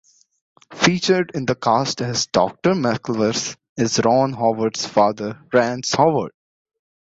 Featured in the cast as Doctor McIvers is Ron Howard's father Rance Howard.